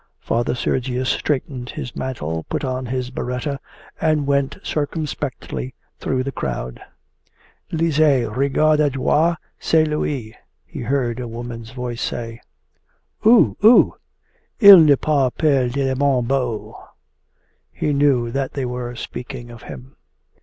Father Sergius straightened his mantle, put on his biretta, and went circumspectly through the crowd. 'Lise, regarde a droite, c'est lui!' he heard a woman's voice say. 'Ou, ou? Il n'est pas tellement beau.' He knew that they were speaking of him.